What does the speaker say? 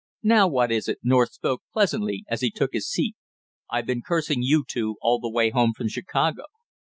"Now what is it?" North spoke pleasantly as he took his seat. "I've been cursing you two all the way home from Chicago."